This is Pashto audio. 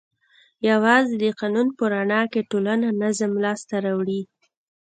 یوازې د قانون په رڼا کې ټولنه نظم لاس ته راوړي.